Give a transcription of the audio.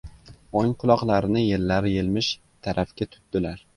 O‘ng quloqlarini yellar yelmish tarafga tutdilar.